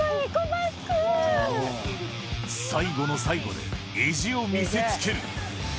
最後の最後で、意地を見せつける。